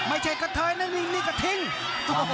ไม่ใช่กระเทยนั่นมีกระทิ้ง